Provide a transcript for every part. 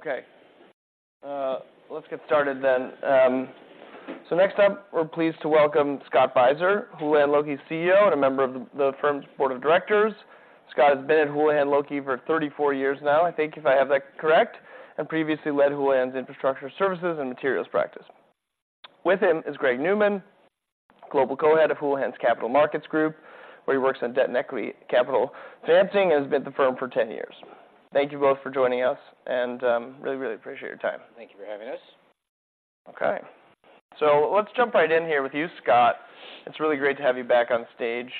Okay, let's get started then. So next up, we're pleased to welcome Scott Beiser, Houlihan Lokey CEO, and a member of the, the firm's board of directors. Scott has been at Houlihan Lokey for 34 years now, I think, if I have that correct, and previously led Houlihan's infrastructure services and materials practice. With him is Gregg Newman, Global Co-Head of Houlihan's Capital Markets Group, where he works in debt and equity capital financing, and has been at the firm for 10 years. Thank you both for joining us, and, really, really appreciate your time. Thank you for having us. Okay, so let's jump right in here with you, Scott. It's really great to have you back on stage.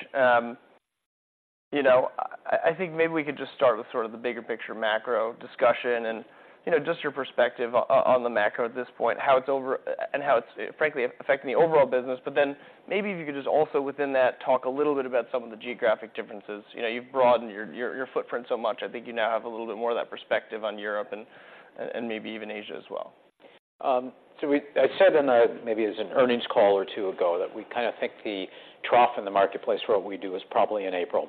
You know, I think maybe we could just start with sort of the bigger picture macro discussion and, you know, just your perspective on the macro at this point, and how it's, frankly, affecting the overall business. But then maybe if you could just also within that, talk a little bit about some of the geographic differences. You know, you've broadened your footprint so much, I think you now have a little bit more of that perspective on Europe and maybe even Asia as well. So I said in a, maybe it was an earnings call or two ago, that we kinda think the trough in the marketplace for what we do is probably in April.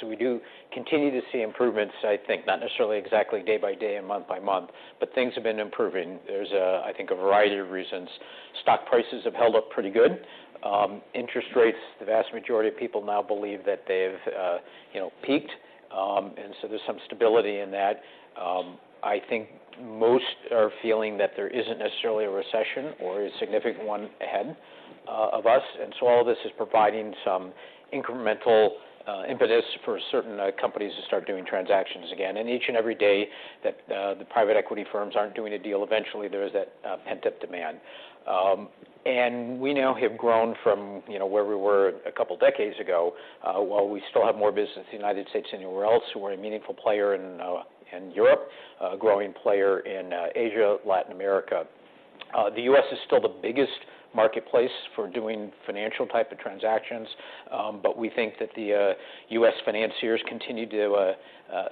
So we do continue to see improvements, I think, not necessarily exactly day by day and month by month, but things have been improving. There's a, I think, a variety of reasons. Stock prices have held up pretty good. Interest rates, the vast majority of people now believe that they've, you know, peaked. And so there's some stability in that. I think most are feeling that there isn't necessarily a recession or a significant one ahead of us. And so all this is providing some incremental impetus for certain companies to start doing transactions again. Each and every day that the private equity firms aren't doing a deal, eventually there is that pent-up demand. We now have grown from, you know, where we were a couple of decades ago. While we still have more business in the United States anywhere else, we're a meaningful player in Europe, a growing player in Asia, Latin America. The U.S. is still the biggest marketplace for doing financial type of transactions, but we think that the U.S. financiers continue to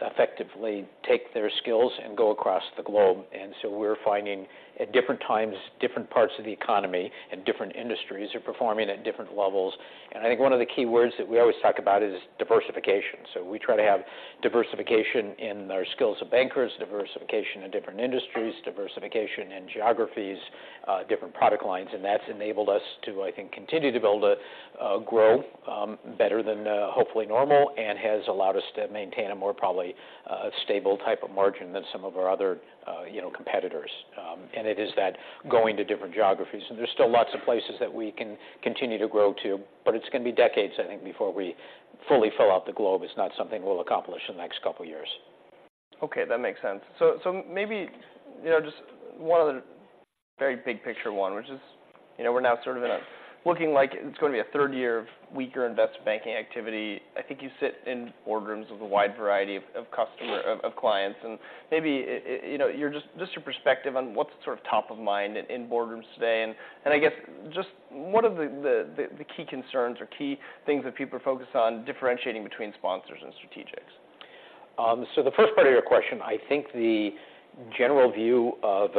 effectively take their skills and go across the globe. And so we're finding at different times, different parts of the economy and different industries are performing at different levels. I think one of the key words that we always talk about is diversification. So we try to have diversification in our skills of bankers, diversification in different industries, diversification in geographies, different product lines, and that's enabled us to, I think, continue to be able to, grow, better than, hopefully normal, and has allowed us to maintain a more probably, stable type of margin than some of our other, you know, competitors. And it is that going to different geographies, and there's still lots of places that we can continue to grow to, but it's gonna be decades, I think, before we fully fill out the globe. It's not something we'll accomplish in the next couple of years. Okay, that makes sense. So maybe, you know, just one other very big picture one, which is, you know, we're now sort of in a- looking like it's gonna be a third year of weaker investment banking activity. I think you sit in boardrooms with a wide variety of clients, and maybe you know, just your perspective on what's sort of top of mind in boardrooms today. And I guess just what are the key concerns or key things that people are focused on differentiating between sponsors and strategics? So the first part of your question, I think the general view of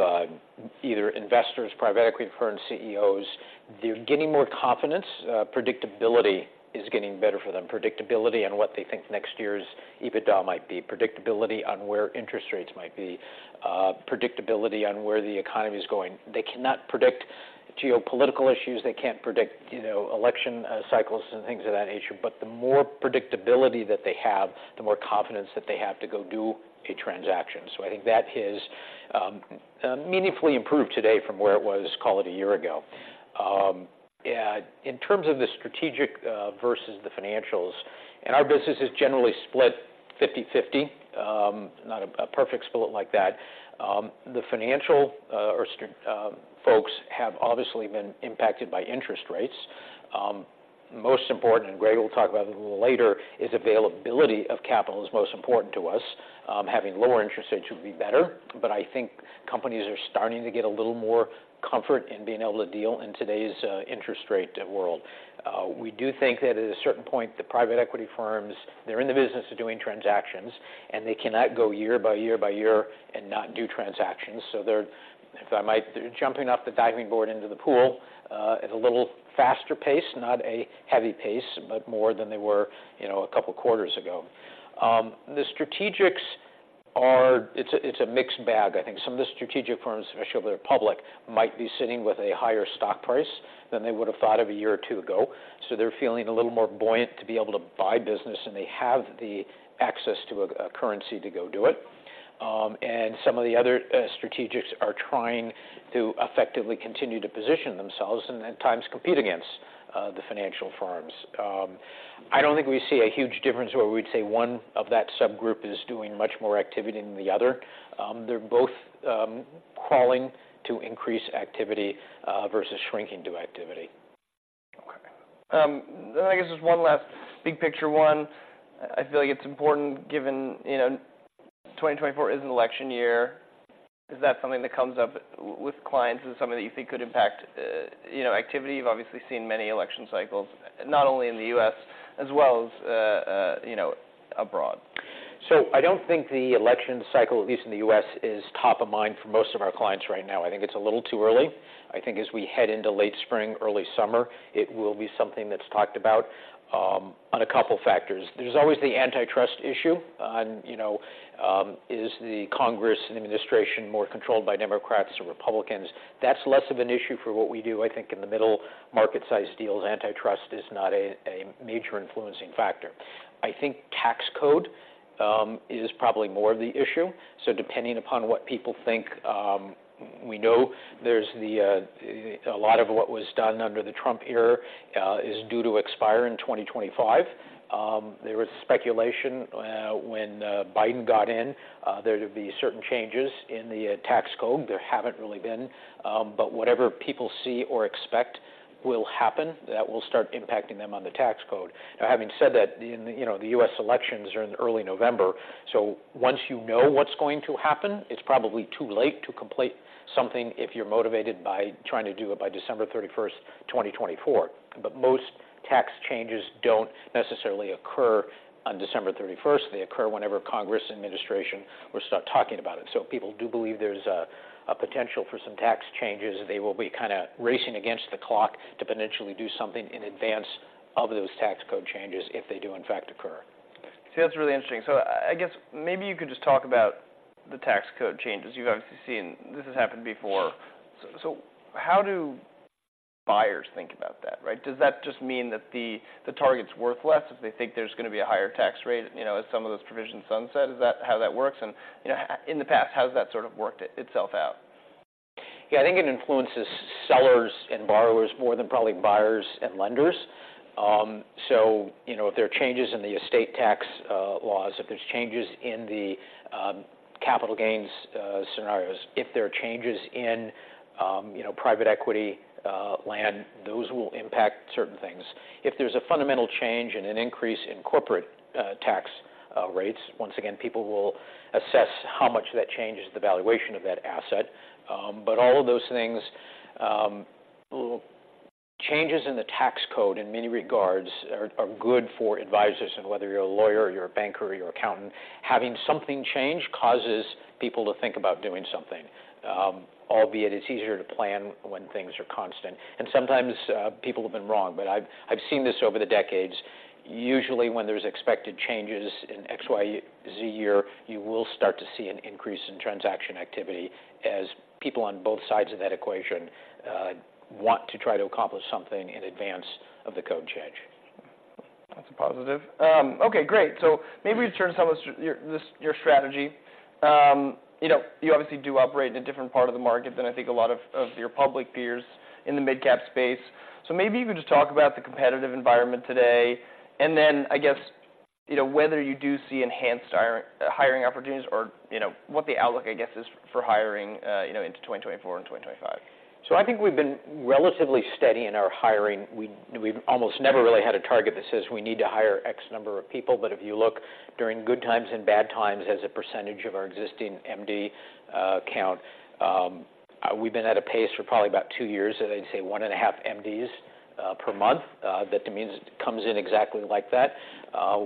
either investors, private equity firms, CEOs, they're getting more confidence. Predictability is getting better for them. Predictability on what they think next year's EBITDA might be, predictability on where interest rates might be, predictability on where the economy is going. They cannot predict geopolitical issues. They can't predict, you know, election cycles and things of that nature. But the more predictability that they have, the more confidence that they have to go do a transaction. So I think that is meaningfully improved today from where it was, call it, a year ago. Yeah, in terms of the strategic versus the financials, and our business is generally split 50/50, not a perfect split like that. The financial folks have obviously been impacted by interest rates. Most important, and Gregg will talk about it a little later, is availability of capital is most important to us. Having lower interest rates would be better, but I think companies are starting to get a little more comfort in being able to deal in today's interest rate world. We do think that at a certain point, the private equity firms, they're in the business of doing transactions, and they cannot go year by year by year and not do transactions. So, if I might, they're jumping off the diving board into the pool at a little faster pace, not a heavy pace, but more than they were, you know, a couple of quarters ago. The strategics are. It's a mixed bag, I think. Some of the strategic firms, especially if they're public, might be sitting with a higher stock price than they would have thought of a year or two ago, so they're feeling a little more buoyant to be able to buy business, and they have the access to a currency to go do it. And some of the other strategics are trying to effectively continue to position themselves, and at times, compete against the financial firms. I don't think we see a huge difference where we'd say one of that subgroup is doing much more activity than the other. They're both calling to increase activity versus shrinking to activity. Okay. Then I guess just one last big picture one. I feel like it's important given, you know, 2024 is an election year. Is that something that comes up with clients? Is it something that you think could impact, you know, activity? You've obviously seen many election cycles, not only in the U.S., as well as, you know, abroad.... So I don't think the election cycle, at least in the U.S., is top of mind for most of our clients right now. I think it's a little too early. I think as we head into late spring, early summer, it will be something that's talked about on a couple factors. There's always the antitrust issue on, you know, is the Congress and the administration more controlled by Democrats or Republicans? That's less of an issue for what we do. I think in the middle market-sized deals, antitrust is not a major influencing factor. I think tax code is probably more of the issue. So depending upon what people think, we know there's the a lot of what was done under the Trump era is due to expire in 2025. There was speculation when Biden got in there'd be certain changes in the tax code. There haven't really been, but whatever people see or expect will happen, that will start impacting them on the tax code. Now, having said that, you know, the U.S. elections are in early November, so once you know what's going to happen, it's probably too late to complete something if you're motivated by trying to do it by December 31, 2024. But most tax changes don't necessarily occur on December 31. They occur whenever Congress administration will start talking about it. So if people do believe there's a potential for some tax changes, they will be kind of racing against the clock to potentially do something in advance of those tax code changes, if they do in fact occur. See, that's really interesting. So I guess maybe you could just talk about the tax code changes. You've obviously seen... This has happened before. So how do buyers think about that, right? Does that just mean that the target's worth less if they think there's going to be a higher tax rate, you know, as some of those provisions sunset? Is that how that works? And, you know, how in the past has that sort of worked itself out? Yeah, I think it influences sellers and borrowers more than probably buyers and lenders. So, you know, if there are changes in the estate tax laws, if there's changes in the capital gains scenarios, if there are changes in, you know, private equity lending, those will impact certain things. If there's a fundamental change and an increase in corporate tax rates, once again, people will assess how much that changes the valuation of that asset. But all of those things, changes in the tax code in many regards are good for advisors. And whether you're a lawyer, or you're a banker, or you're accountant, having something change causes people to think about doing something. Albeit, it's easier to plan when things are constant. And sometimes, people have been wrong, but I've seen this over the decades. Usually, when there's expected changes in X, Y, Z year, you will start to see an increase in transaction activity as people on both sides of that equation, want to try to accomplish something in advance of the code change. That's a positive. Okay, great! So maybe you can tell us your strategy. You know, you obviously do operate in a different part of the market than I think a lot of your public peers in the midcap space. So maybe you could just talk about the competitive environment today, and then, I guess, you know, whether you do see enhanced hiring opportunities or, you know, what the outlook, I guess, is for hiring, you know, into 2024 and 2025. So I think we've been relatively steady in our hiring. We've almost never really had a target that says, "We need to hire X number of people." But if you look during good times and bad times as a percentage of our existing MD count, we've been at a pace for probably about 2 years, and I'd say 1.5 MDs per month. That means it comes in exactly like that.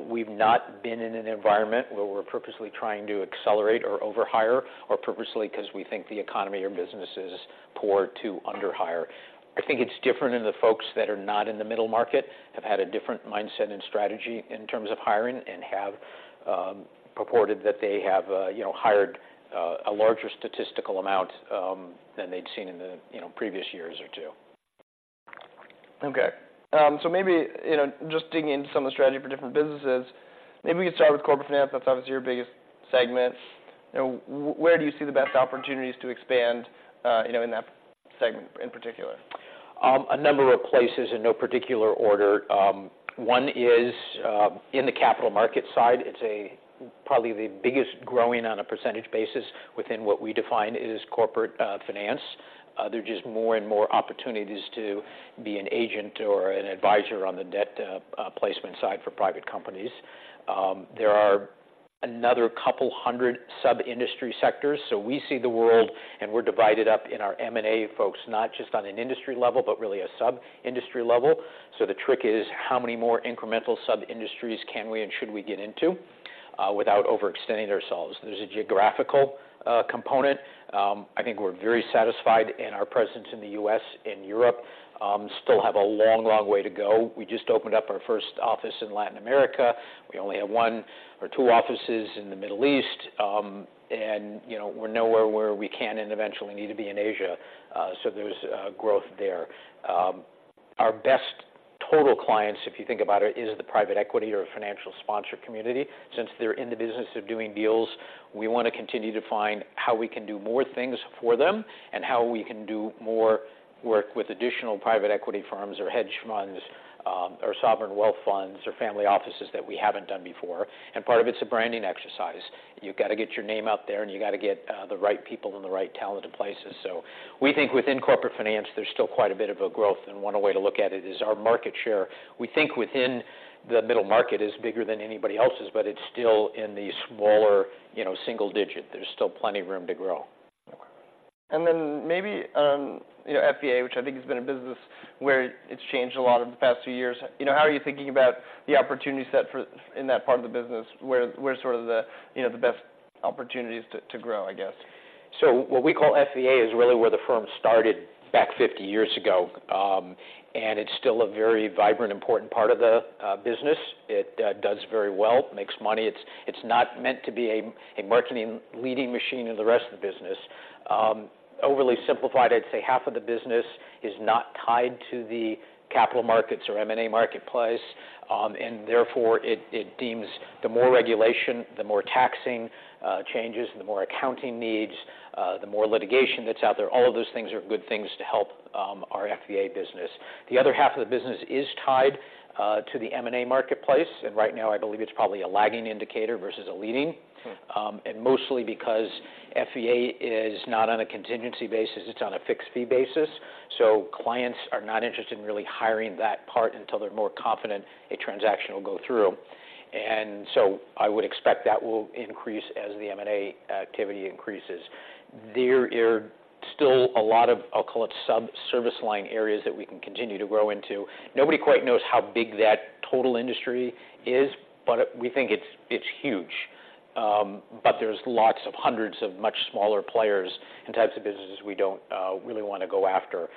We've not been in an environment where we're purposely trying to accelerate or over-hire or purposely because we think the economy or business is poor to under hire. I think it's different in the folks that are not in the middle market, have had a different mindset and strategy in terms of hiring and have, purported that they have, you know, hired, a larger statistical amount, than they'd seen in the, you know, previous years or two. Okay. So maybe, you know, just digging into some of the strategy for different businesses, maybe we could start with corporate finance. That's obviously your biggest segment. You know, where do you see the best opportunities to expand, you know, in that segment in particular? A number of places in no particular order. One is in the capital markets side. It's probably the biggest growing on a percentage basis within what we define as corporate finance. There are just more and more opportunities to be an agent or an advisor on the debt placement side for private companies. There are another 200 sub-industry sectors, so we see the world, and we're divided up in our M&A folks, not just on an industry level, but really a sub-industry level. So the trick is, how many more incremental sub-industries can we and should we get into without overextending ourselves? There's a geographical component. I think we're very satisfied in our presence in the U.S. and Europe. Still have a long, long way to go. We just opened up our first office in Latin America. We only have one or two offices in the Middle East. And, you know, we're nowhere where we can and eventually need to be in Asia. So there's growth there. Our best total clients, if you think about it, is the private equity or financial sponsor community. Since they're in the business of doing deals, we want to continue to find how we can do more things for them and how we can do more work with additional private equity firms or hedge funds, or sovereign wealth funds, or family offices that we haven't done before. And part of it's a branding exercise. You've got to get your name out there, and you got to get the right people and the right talent in places. We think within corporate finance, there's still quite a bit of a growth, and one way to look at it is our market share. We think within the middle market is bigger than anybody else's, but it's still in the smaller, you know, single digit. There's still plenty of room to grow. ...And then maybe, you know, FVA, which I think has been a business where it's changed a lot over the past few years. You know, how are you thinking about the opportunity set for, in that part of the business? Where is sort of the, you know, the best opportunities to grow, I guess? So what we call FVA is really where the firm started back 50 years ago, and it's still a very vibrant, important part of the business. It does very well, makes money. It's not meant to be a market-leading machine in the rest of the business. Overly simplified, I'd say half of the business is not tied to the capital markets or M&A marketplace. And therefore, it means the more regulation, the more tax changes, the more accounting needs, the more litigation that's out there, all of those things are good things to help our FVA business. The other half of the business is tied to the M&A marketplace, and right now, I believe it's probably a lagging indicator versus a leading. Sure. And mostly because FVA is not on a contingency basis, it's on a fixed fee basis. So clients are not interested in really hiring that part until they're more confident a transaction will go through. And so I would expect that will increase as the M&A activity increases. There are still a lot of, I'll call it sub-service line areas, that we can continue to grow into. Nobody quite knows how big that total industry is, but we think it's, it's huge. But there's lots of hundreds of much smaller players and types of businesses we don't really want to go after.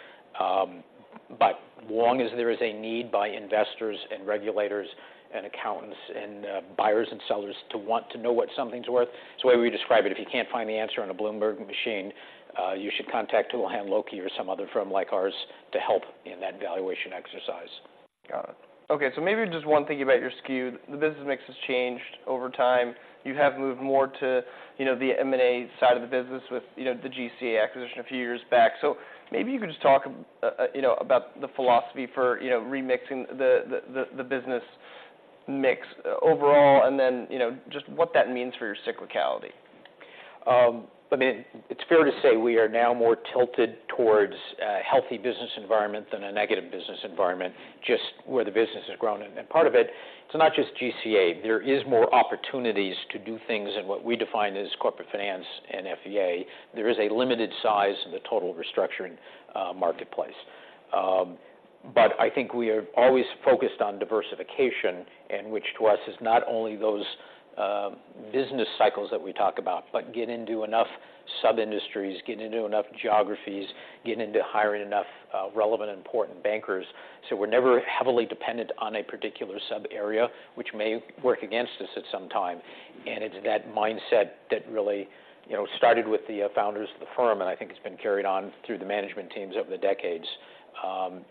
But long as there is a need by investors and regulators, and accountants, and buyers and sellers to want to know what something's worth... It's the way we describe it. If you can't find the answer on a Bloomberg machine, you should contact Houlihan Lokey or some other firm like ours to help in that valuation exercise. Got it. Okay, so maybe just one thing about your skew. The business mix has changed over time. You have moved more to, you know, the M&A side of the business with, you know, the GCA acquisition a few years back. So maybe you could just talk, you know, about the philosophy for, you know, remixing the business mix overall, and then, you know, just what that means for your cyclicality. I mean, it's fair to say we are now more tilted towards healthy business environment than a negative business environment, just where the business has grown. And a part of it, it's not just GCA. There is more opportunities to do things, and what we define as corporate finance and FVA. There is a limited size in the total restructuring marketplace. But I think we are always focused on diversification, and which to us is not only those business cycles that we talk about, but get into enough sub-industries, getting into enough geographies, getting into hiring enough relevant and important bankers. So we're never heavily dependent on a particular sub-area which may work against us at some time. It's that mindset that really, you know, started with the founders of the firm, and I think it's been carried on through the management teams over the decades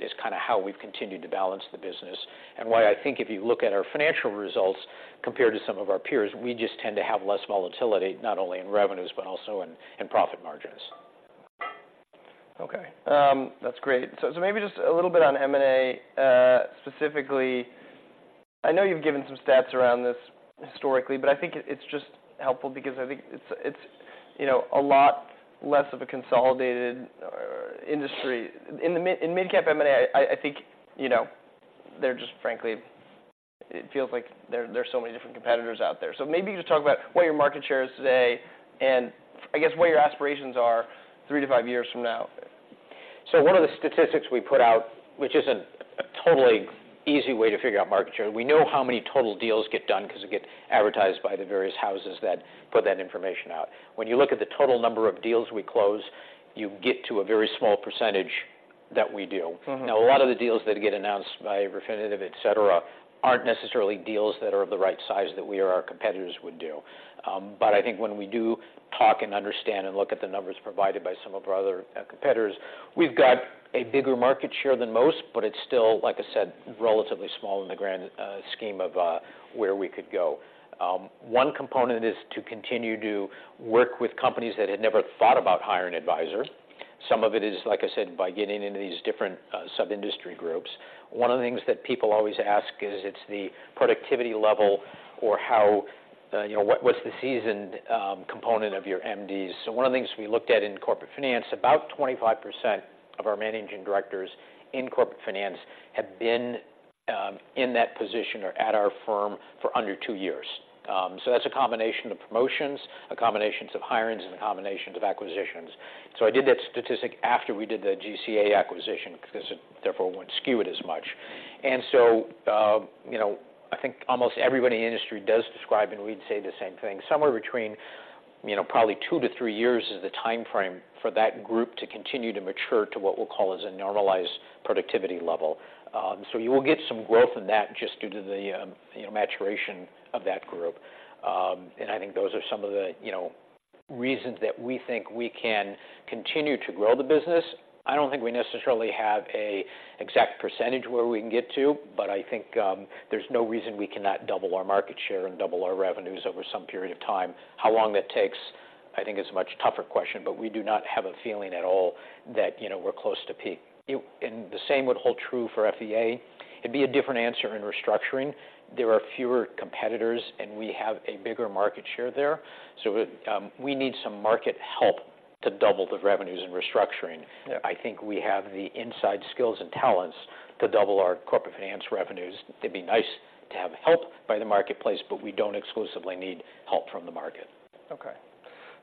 is kind of how we've continued to balance the business. And why I think if you look at our financial results compared to some of our peers, we just tend to have less volatility, not only in revenues, but also in profit margins. Okay, that's great. So, maybe just a little bit on M&A. Specifically, I know you've given some stats around this historically, but I think it's just helpful because I think it's, you know, a lot less of a consolidated or industry. In the mid-cap M&A, I think, you know, they're just frankly... It feels like there are so many different competitors out there. So maybe you just talk about what your market share is today, and I guess what your aspirations are three to five years from now. So one of the statistics we put out, which isn't a totally easy way to figure out market share, we know how many total deals get done because they get advertised by the various houses that put that information out. When you look at the total number of deals we close, you get to a very small percentage that we deal. Mm-hmm. Now, a lot of the deals that get announced by Refinitiv, et cetera, aren't necessarily deals that are of the right size that we or our competitors would do. But I think when we do talk and understand and look at the numbers provided by some of our other competitors, we've got a bigger market share than most, but it's still, like I said, relatively small in the grand scheme of where we could go. One component is to continue to work with companies that had never thought about hiring advisors. Some of it is, like I said, by getting into these different sub-industry groups. One of the things that people always ask is, it's the productivity level or how, you know, what was the seasoned component of your MDs? So one of the things we looked at in corporate finance, about 25% of our managing directors in corporate finance have been in that position or at our firm for under two years. So that's a combination of promotions, a combinations of hirings, and a combinations of acquisitions. So I did that statistic after we did the GCA acquisition, because it, therefore, wouldn't skew it as much. And so, you know, I think almost everybody in the industry does describe, and we'd say the same thing, somewhere between, you know, probably two to three years is the timeframe for that group to continue to mature to what we'll call as a normalized productivity level. So you will get some growth in that just due to the, you know, maturation of that group. And I think those are some of the, you know, reasons that we think we can continue to grow the business. I don't think we necessarily have an exact percentage where we can get to, but I think there's no reason we cannot double our market share and double our revenues over some period of time. How long that takes, I think, is a much tougher question, but we do not have a feeling at all that, you know, we're close to peak. It and the same would hold true for FVA. It'd be a different answer in restructuring. There are fewer competitors, and we have a bigger market share there, so we need some market help to double the revenues and restructuring. I think we have the inside skills and talents to double our corporate finance revenues. It'd be nice to have help by the marketplace, but we don't exclusively need help from the market. Okay.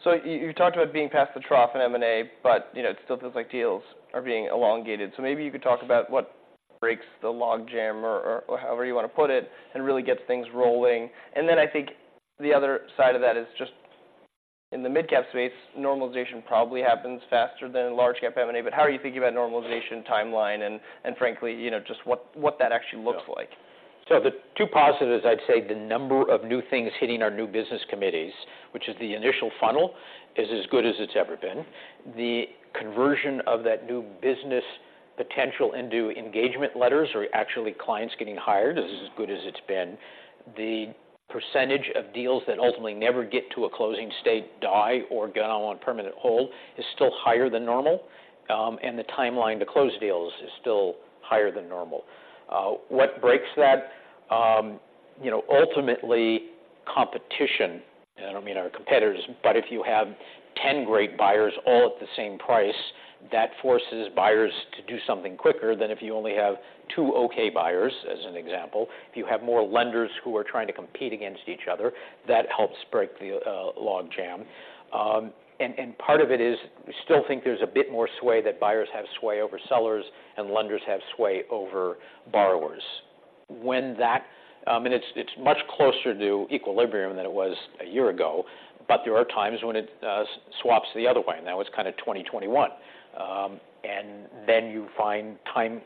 So you talked about being past the trough in M&A, but, you know, it still feels like deals are being elongated. So maybe you could talk about what breaks the logjam or however you want to put it, and really gets things rolling. And then I think the other side of that is just in the mid-cap space, normalization probably happens faster than in large cap M&A. But how are you thinking about normalization timeline and frankly, you know, just what that actually looks like? So the two positives, I'd say the number of new things hitting our new business committees, which is the initial funnel, is as good as it's ever been. The conversion of that new business potential into engagement letters or actually clients getting hired is as good as it's been. The percentage of deals that ultimately never get to a closing state, die, or go on permanent hold is still higher than normal, and the timeline to close deals is still higher than normal. What breaks that? You know, ultimately competition, and I don't mean our competitors, but if you have 10 great buyers all at the same price, that forces buyers to do something quicker than if you only have two okay buyers, as an example. If you have more lenders who are trying to compete against each other, that helps break the logjam. part of it is, we still think there's a bit more sway, that buyers have sway over sellers, and lenders have sway over borrowers. When that, it's much closer to equilibrium than it was a year ago, but there are times when it swaps the other way, and that was kind of 2021. And then you find time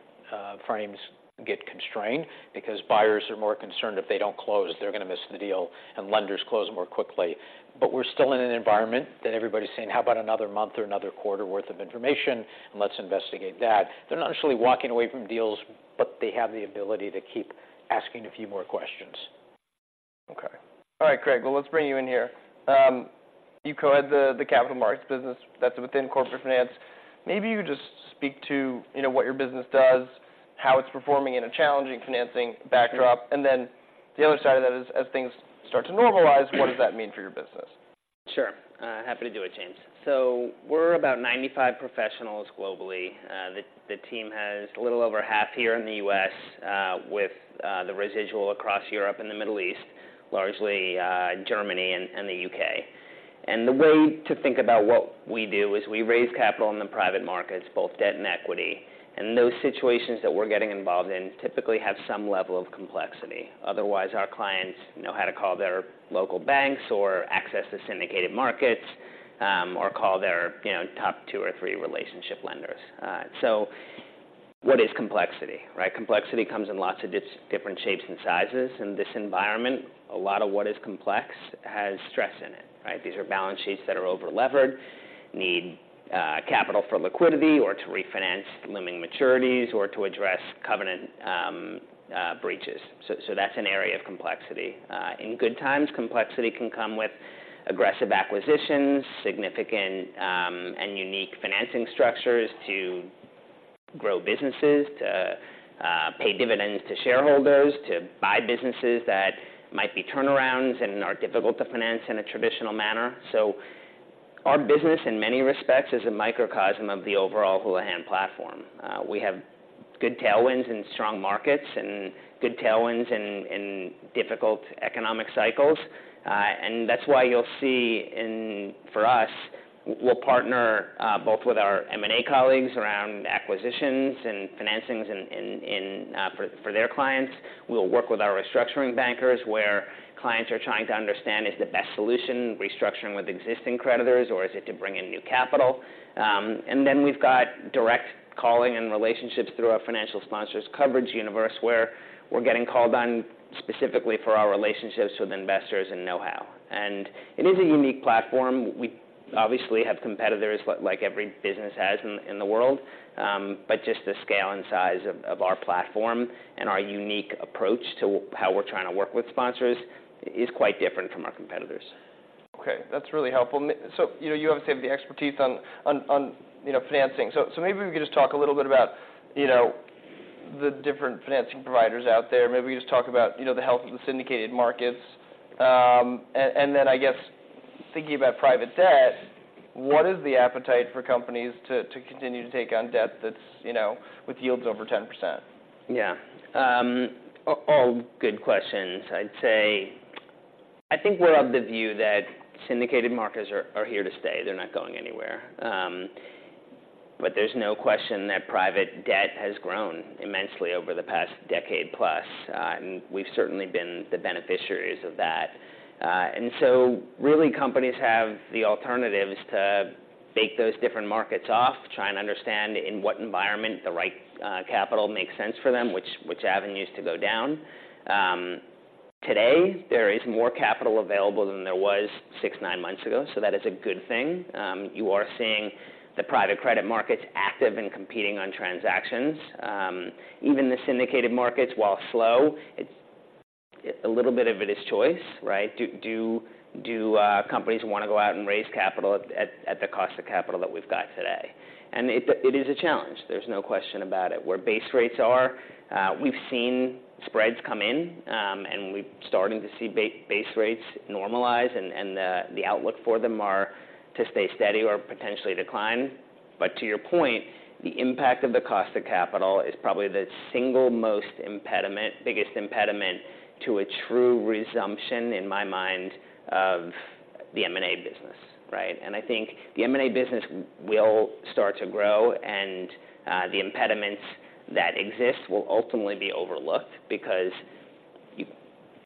frames get constrained because buyers are more concerned if they don't close, they're gonna miss the deal, and lenders close more quickly. But we're still in an environment that everybody's saying, "How about another month or another quarter worth of information, and let's investigate that?" They're not necessarily walking away from deals, but they have the ability to keep asking a few more questions. Okay. All right, Gregg, well, let's bring you in here. You co-head the, the capital markets business that's within corporate finance. Maybe you just speak to, you know, what your business does, how it's performing in a challenging financing backdrop, and then the other side of that is, as things start to normalize, what does that mean for your business? Sure. Happy to do it, James. So we're about 95 professionals globally. The team has a little over half here in the U.S., with the residual across Europe and the Middle East, largely Germany and the U.K. And the way to think about what we do is we raise capital in the private markets, both debt and equity, and those situations that we're getting involved in typically have some level of complexity. Otherwise, our clients know how to call their local banks or access the syndicated markets, or call their, you know, top two or three relationship lenders. So what is complexity, right? Complexity comes in lots of different shapes and sizes. In this environment, a lot of what is complex has stress in it, right? These are balance sheets that are overleveraged, need capital for liquidity, or to refinance looming maturities, or to address covenant breaches. So that's an area of complexity. In good times, complexity can come with aggressive acquisitions, significant and unique financing structures to grow businesses, to pay dividends to shareholders, to buy businesses that might be turnarounds and are difficult to finance in a traditional manner. So our business, in many respects, is a microcosm of the overall Houlihan platform. We have good tailwinds in strong markets and good tailwinds in difficult economic cycles. And that's why you'll see for us, we'll partner both with our M&A colleagues around acquisitions and financings in for their clients. We'll work with our restructuring bankers, where clients are trying to understand is the best solution, restructuring with existing creditors, or is it to bring in new capital? And then we've got direct calling and relationships through our financial sponsors coverage universe, where we're getting called on specifically for our relationships with investors and know-how. And it is a unique platform. We obviously have competitors, like every business has in the world, but just the scale and size of our platform and our unique approach to how we're trying to work with sponsors is quite different from our competitors. Okay, that's really helpful. So you obviously have the expertise on you know, financing. So maybe we could just talk a little bit about, you know, the different financing providers out there. Maybe we just talk about, you know, the health of the syndicated markets. And then, I guess, thinking about private debt, what is the appetite for companies to continue to take on debt that's, you know, with yields over 10%? Yeah. All good questions. I'd say, I think we're of the view that syndicated markets are here to stay. They're not going anywhere. But there's no question that private debt has grown immensely over the past decade plus, and we've certainly been the beneficiaries of that. And so really, companies have the alternatives to bake those different markets off, try and understand in what environment the right capital makes sense for them, which avenues to go down. Today there is more capital available than there was 6-9 months ago, so that is a good thing. You are seeing the private credit markets active in competing on transactions. Even the syndicated markets, while slow, it's a little bit of it is choice, right? Do companies want to go out and raise capital at the cost of capital that we've got today? And it is a challenge, there's no question about it. Where base rates are, we've seen spreads come in, and we're starting to see base rates normalize, and the outlook for them are to stay steady or potentially decline... But to your point, the impact of the cost of capital is probably the single most impediment, biggest impediment to a true resumption, in my mind, of the M&A business, right? And I think the M&A business will start to grow, and the impediments that exist will ultimately be overlooked, because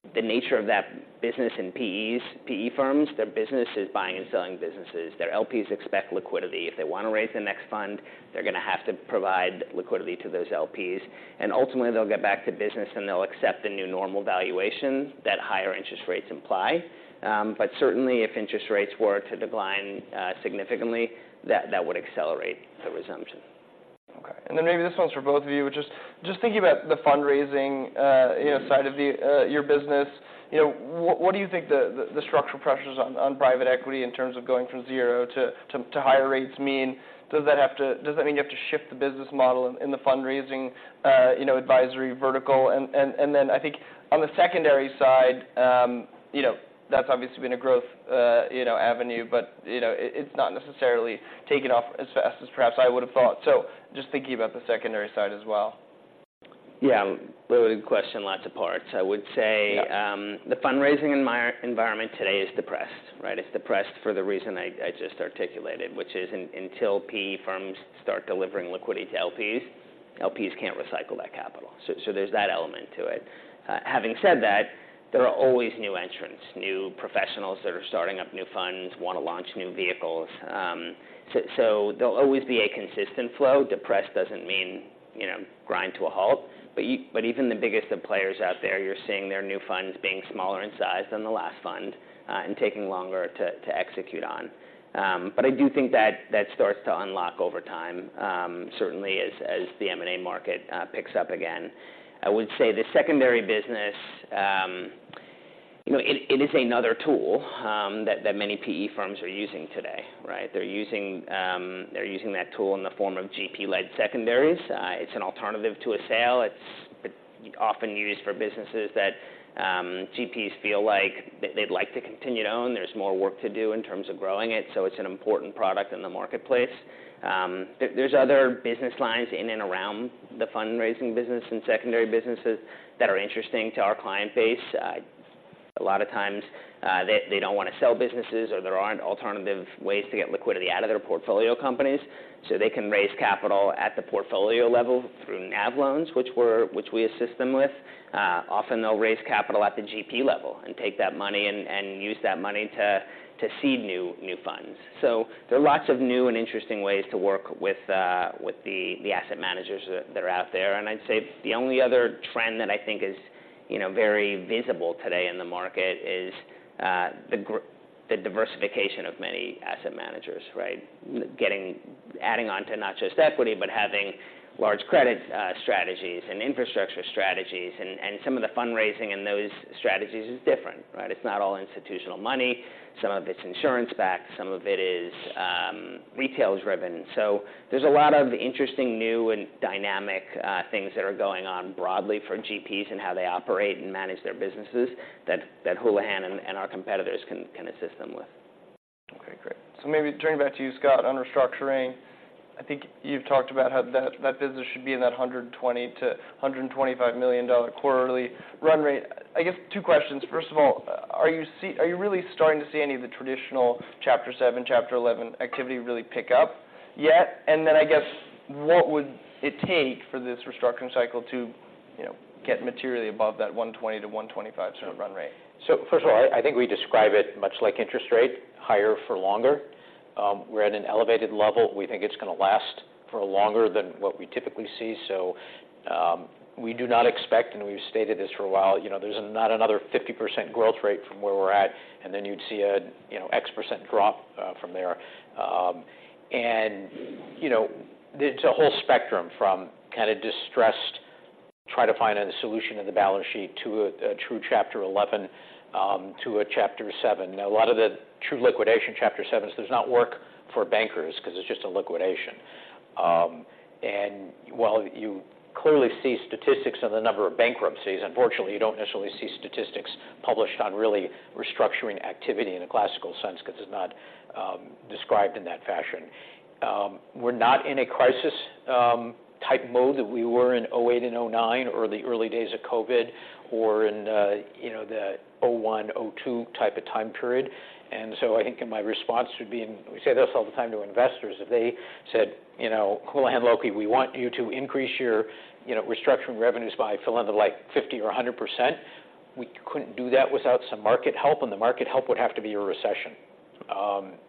you, the nature of that business and PEs, PE firms, their business is buying and selling businesses. Their LPs expect liquidity. If they want to raise the next fund, they're going to have to provide liquidity to those LPs, and ultimately they'll get back to business, and they'll accept the new normal valuations that higher interest rates imply. But certainly, if interest rates were to decline, significantly, that, that would accelerate the resumption. Okay. And then maybe this one's for both of you, which is just thinking about the fundraising, you know, side of the your business. You know, what do you think the structural pressures on private equity in terms of going from zero to higher rates mean? Does that mean you have to shift the business model in the fundraising, you know, advisory vertical? And then I think on the secondary side, you know, that's obviously been a growth, you know, avenue, but, you know, it, it's not necessarily taking off as fast as perhaps I would've thought. So just thinking about the secondary side as well. Yeah, loaded question, lots of parts. I would say- Yeah... the fundraising in my environment today is depressed, right? It's depressed for the reason I just articulated, which is until PE firms start delivering liquidity to LPs, LPs can't recycle that capital. So there's that element to it. Having said that, there are always new entrants, new professionals that are starting up new funds, want to launch new vehicles. So there'll always be a consistent flow. Depressed doesn't mean, you know, grind to a halt, but even the biggest of players out there, you're seeing their new funds being smaller in size than the last fund, and taking longer to execute on. But I do think that starts to unlock over time, certainly as the M&A market picks up again. I would say the secondary business, you know, it is another tool that many PE firms are using today, right? They're using that tool in the form of GP-led secondaries. It's an alternative to a sale. It's often used for businesses that GPs feel like they'd like to continue to own. There's more work to do in terms of growing it, so it's an important product in the marketplace. There's other business lines in and around the fundraising business and secondary businesses that are interesting to our client base. A lot of times, they don't want to sell businesses, or there aren't alternative ways to get liquidity out of their portfolio companies, so they can raise capital at the portfolio level through NAV loans, which we assist them with. Often they'll raise capital at the GP level and take that money and use that money to seed new funds. So there are lots of new and interesting ways to work with the asset managers that are out there. And I'd say the only other trend that I think is, you know, very visible today in the market is the diversification of many asset managers, right? Adding onto not just equity, but having large credit strategies and infrastructure strategies, and some of the fundraising in those strategies is different, right? It's not all institutional money. Some of it's insurance-backed, some of it is retail-driven. So there's a lot of interesting, new and dynamic things that are going on broadly for GPs and how they operate and manage their businesses, that Houlihan and our competitors can assist them with. Okay, great. So maybe turning back to you, Scott, on restructuring, I think you've talked about how that, that business should be in that $120-$125 million quarterly run rate. I guess two questions. First of all, are you really starting to see any of the traditional Chapter 7, Chapter 11 activity really pick up yet? And then, I guess, what would it take for this restructuring cycle to, you know, get materially above that $120-$125 sort of run rate? So first of all, I think we describe it much like interest rate, higher for longer. We're at an elevated level. We think it's going to last for longer than what we typically see. So, we do not expect, and we've stated this for a while, you know, there's not another 50% growth rate from where we're at, and then you'd see a, you know, X% drop from there. And, you know, it's a whole spectrum from kind of distressed, try to find a solution in the balance sheet to a true Chapter 11 to a Chapter 7. A lot of the true liquidation Chapter 7s does not work for bankers because it's just a liquidation. And while you clearly see statistics on the number of bankruptcies, unfortunately, you don't necessarily see statistics published on really restructuring activity in a classical sense, because it's not described in that fashion. We're not in a crisis type mode that we were in 2008 and 2009, or the early days of COVID, or in the, you know, the 2001, 2002 type of time period. And so I think, and my response would be, and we say this all the time to investors, if they said, "You know, Houlihan Lokey, we want you to increase your, you know, restructuring revenues by fill in the blank, 50 or 100%," we couldn't do that without some market help, and the market help would have to be a recession.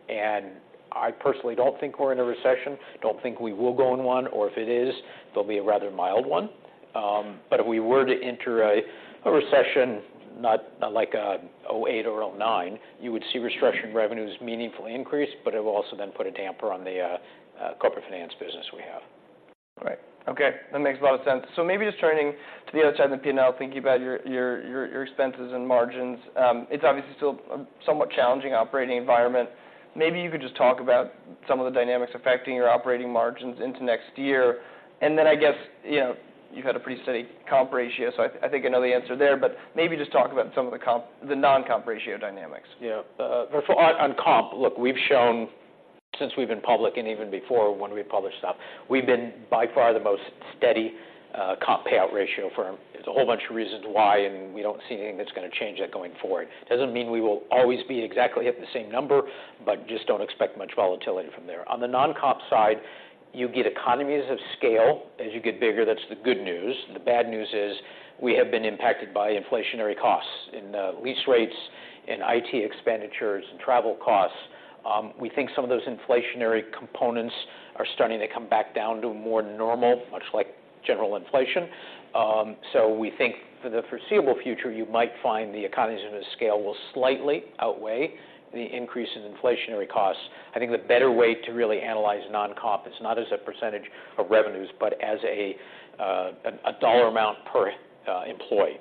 And I personally don't think we're in a recession, don't think we will go in one, or if it is, it'll be a rather mild one. But if we were to enter a recession, not like a 2008 or 2009, you would see restructuring revenues meaningfully increase, but it will also then put a damper on the corporate finance business we have. Right. Okay, that makes a lot of sense. So maybe just turning to the other side of the P&L, thinking about your expenses and margins. It's obviously still a somewhat challenging operating environment. Maybe you could just talk about some of the dynamics affecting your operating margins into next year. And then, I guess, you know, you've had a pretty steady comp ratio, so I think I know the answer there, but maybe just talk about some of the non-comp ratio dynamics. Yeah. So on comp, look, we've shown since we've been public, and even before, when we published stuff, we've been by far the most steady comp payout ratio firm. There's a whole bunch of reasons why, and we don't see anything that's gonna change that going forward. Doesn't mean we will always be exactly at the same number, but just don't expect much volatility from there. On the non-comp side, you get economies of scale as you get bigger. That's the good news. The bad news is we have been impacted by inflationary costs in lease rates, in IT expenditures, and travel costs. We think some of those inflationary components are starting to come back down to a more normal, much like general inflation. So we think for the foreseeable future, you might find the economies of scale will slightly outweigh the increase in inflationary costs. I think the better way to really analyze non-comp is not as a percentage of revenues, but as a dollar amount per employee.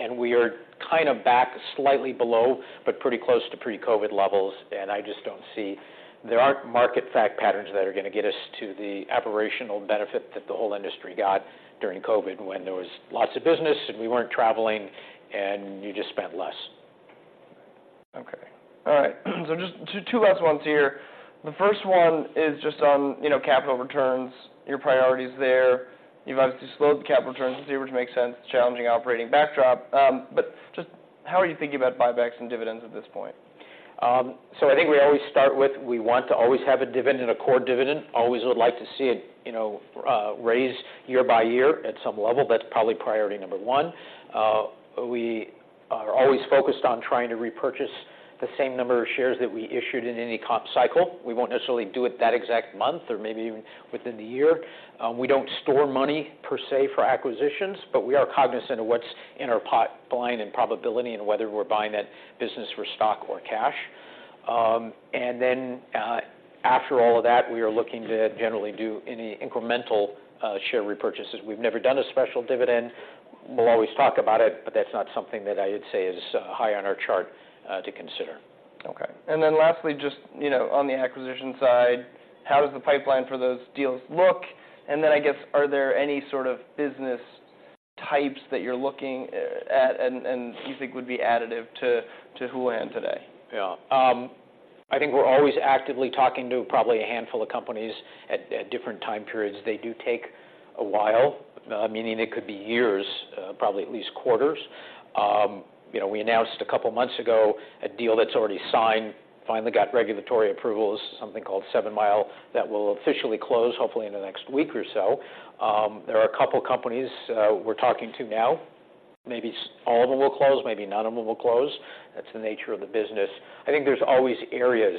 And we are kind of back slightly below, but pretty close to pre-COVID levels, and I just don't see. There aren't market fact patterns that are gonna get us to the operational benefit that the whole industry got during COVID, when there was lots of business, and we weren't traveling, and you just spent less. Okay. All right, so just two, two last ones here. The first one is just on, you know, capital returns, your priorities there. You've obviously slowed the capital returns this year, which makes sense, challenging operating backdrop. But just how are you thinking about buybacks and dividends at this point? I think we always start with, we want to always have a dividend, a core dividend. Always would like to see it, you know, raised year by year at some level. That's probably priority number one. We are always focused on trying to repurchase the same number of shares that we issued in any comp cycle. We won't necessarily do it that exact month or maybe even within the year. We don't store money per se, for acquisitions, but we are cognizant of what's in our pipeline and probability and whether we're buying that business for stock or cash. And then, after all of that, we are looking to generally do any incremental share repurchases. We've never done a special dividend. We'll always talk about it, but that's not something that I would say is high on our chart to consider. Okay. And then lastly, just, you know, on the acquisition side, how does the pipeline for those deals look? And then, I guess, are there any sort of business types that you're looking at and you think would be additive to Houlihan today? Yeah. I think we're always actively talking to probably a handful of companies at different time periods. They do take a while, meaning it could be years, probably at least quarters. You know, we announced a couple of months ago a deal that's already signed, finally got regulatory approvals, something called 7 Mile, that will officially close, hopefully in the next week or so. There are a couple companies we're talking to now. Maybe all of them will close; maybe none of them will close. That's the nature of the business. I think there's always areas.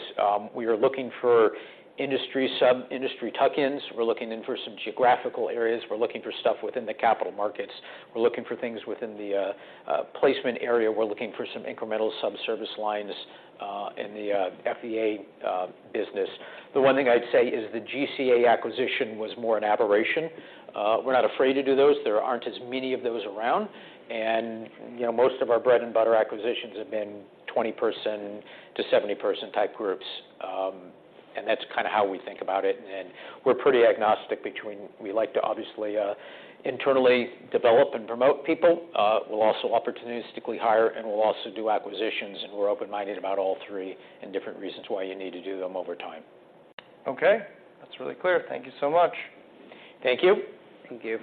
We are looking for industry, some industry tuck-ins. We're looking for some geographical areas. We're looking for stuff within the capital markets. We're looking for things within the placement area. We're looking for some incremental sub-service lines in the FVA business. The one thing I'd say is the GCA acquisition was more an aberration. We're not afraid to do those. There aren't as many of those around. And, you know, most of our bread-and-butter acquisitions have been 20-person to 70-person type groups. And that's kind of how we think about it, and we're pretty agnostic between... We like to obviously internally develop and promote people. We'll also opportunistically hire, and we'll also do acquisitions, and we're open-minded about all three and different reasons why you need to do them over time. Okay. That's really clear. Thank you so much. Thank you. Thank you.